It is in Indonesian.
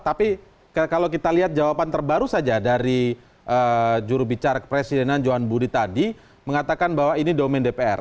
tapi kalau kita lihat jawaban terbaru saja dari jurubicara kepresidenan johan budi tadi mengatakan bahwa ini domen dpr